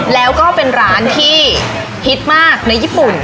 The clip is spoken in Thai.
แล้วก็เป็นร้านที่ฮิตมากในญี่ปุ่น